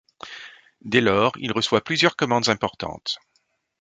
Dès lors, il reçoit plusieurs commandes importantes.